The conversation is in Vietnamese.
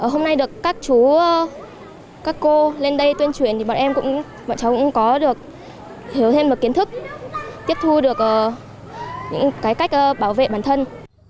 hôm nay được các chú các cô lên đây tuyên truyền thì bọn em cũng có được hiểu thêm một kiến thức tiếp thu được những cách bảo vệ bản thân